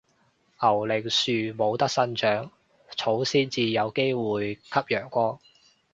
牛令樹冇得生長，草先至有機會吸陽光